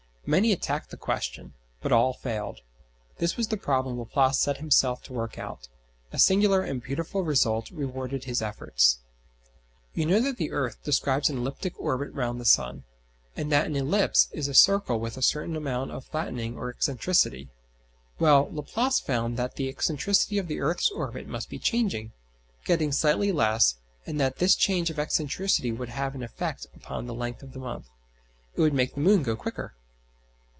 Many attacked the question, but all failed. This was the problem Laplace set himself to work out. A singular and beautiful result rewarded his efforts. You know that the earth describes an elliptic orbit round the sun: and that an ellipse is a circle with a certain amount of flattening or "excentricity." Well, Laplace found that the excentricity of the earth's orbit must be changing, getting slightly less; and that this change of excentricity would have an effect upon the length of the month. It would make the moon go quicker.